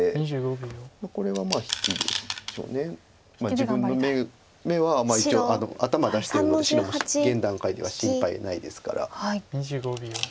自分の眼は一応頭出してるので白も現段階では心配ないですから。